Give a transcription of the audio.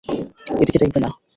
এদিকে দেখবে না।